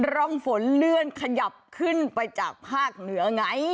ร่องฝนเลื่อนขยับขึ้นไปจากภาคเหนือไง